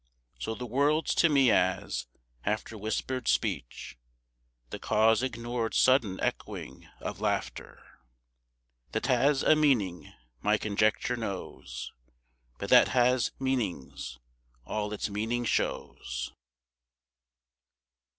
So the world's to me as, after whispered speech, The cause ignored sudden echoing of laughter. That 't has a meaning my conjecture knows, But that 't has meaning's all its meaning shows.